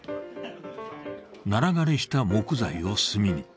ナラ枯れした木材を炭に。